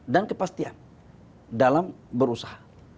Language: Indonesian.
dan kepastian dalam berusaha